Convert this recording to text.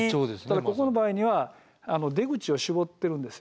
ただここの場合には出口を絞ってるんですよね。